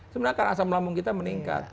sebenarnya kan asam lambung kita meningkat